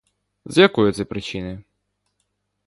З якої це причини?